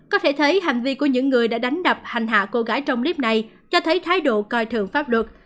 có thể thấy hành vi của những người đã đánh đập hành hạ cô gái trong clip này cho thấy thái độ coi thường pháp luật